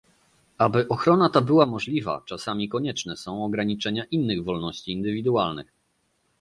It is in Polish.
Aby ochrona ta była możliwa, czasami konieczne są ograniczenia innych wolności indywidualnych